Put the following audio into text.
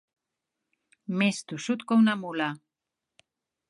Més tossut que una mula.